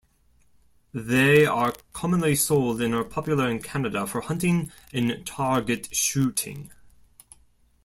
They are commonly sold and are popular in Canada for hunting and target shooting.